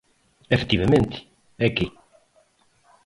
Efectivamente, ¿e que?